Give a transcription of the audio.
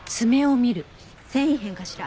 繊維片かしら？